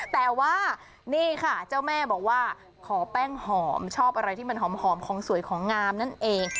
แต่ว่านี่ค่ะเจ้าแม่บอกว่าขอแป้งหอมชอบอะไรที่มันหอมของสวยของงามนั่นเอง